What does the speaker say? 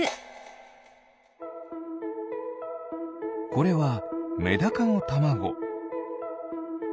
これはメダカのたまご。